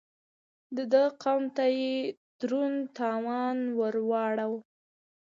د ده قوم ته يې دروند تاوان ور واړاوه.